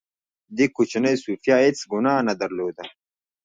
دې کوچنۍ سوفیا هېڅ ګناه نه درلوده